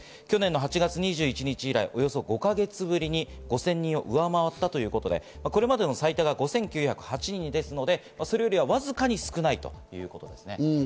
去年８月２１日以来、およそ５か月ぶりに５０００人を上回ったということで、これまでの最多よりわずかに少ないということです。